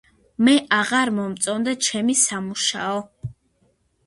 მე აღარ მომწონდა ჩემი სამუშაო.